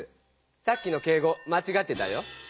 さっきの敬語まちがってたよ。